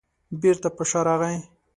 بېرته په شا راغی.